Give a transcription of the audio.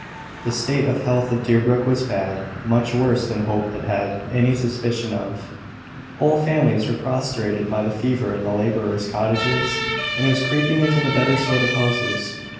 The state of health of Deerbrook was bad, much worse than Hope had had any suspicion of. Whole families were prostrated by the fever in the labourers' cottages, and it was creeping into the better sort of houses.